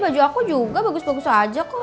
baju aku juga bagus bagus aja kok